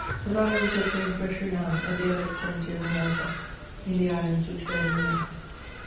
The Maloese obtained fresh renown at the other extremity of America in the islands which bear their name.